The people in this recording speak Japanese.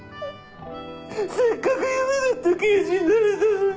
せっかく夢だった刑事になれたのに。